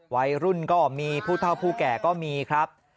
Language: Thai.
วัยรุ่นก็มีผู้เท่าผู้แก่ก็มีครับ